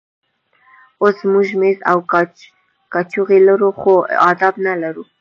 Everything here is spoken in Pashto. اوس موږ مېز او کاچوغې لرو خو آداب نه لرو.